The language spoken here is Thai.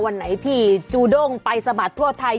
วันไหนพี่จูด้งไปสะบัดทั่วไทย